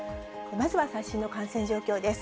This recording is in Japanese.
まずは最新の感染状況です。